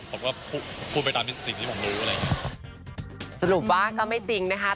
สรุปว่าก็ไม่จริงนะคะ